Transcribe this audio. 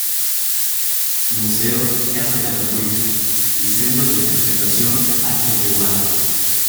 Museo "Casa de los Buitres" y Centro de interpretación "Altos de Guara".